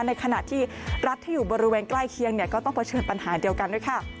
ในขณะที่รัฐที่อยู่บริเวณใกล้เคียงก็ต้องเผชิญปัญหาเดียวกันด้วยค่ะ